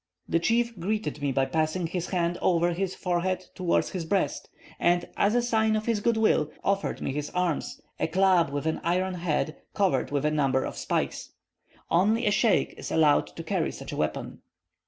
The chief greeted me by passing his hand over his forehead towards his breast; and, as a sign of his good will, offered me his arms, a club with an iron head, covered with a number of spikes. Only a sheikh is allowed to carry such a weapon.